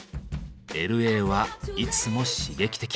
Ｌ．Ａ．はいつも刺激的。